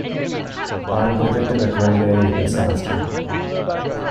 I'm predicted a grade A this semester.